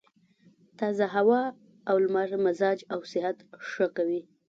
تازه هوا او لمر مزاج او صحت ښه کوي.